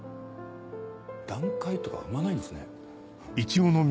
段階とか踏まないんですね。